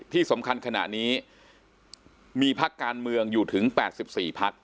ที่สำคัญขณะนี้มีพักการเมืองอยู่ถึง๘๔พัก